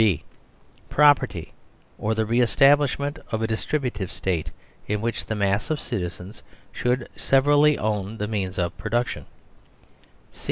(b) Property, or the re establishment of a Distri 5 THE SERVILE STATE butive State in which the mass of citizens should severally own the means of production.